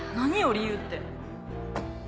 理由って。